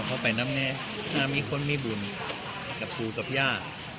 พ่อทำไปน้ำนี้มีคนมีบุญกับครูสัพย่า